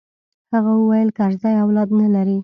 هغه وويل کرزى اولاد نه لري.